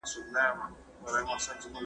زه له سهاره شګه پاکوم؟